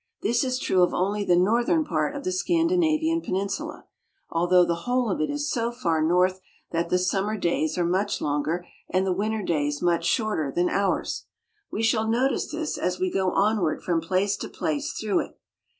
This is true of only the northern part of the Scandinavian Peninsula, although the whole of it is so far north that the summer days are much longer and the winter days much shorter than ours. We shall notice this as we go onward from place to place through it.